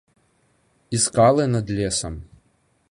І скалы над лесам.